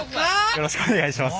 よろしくお願いします。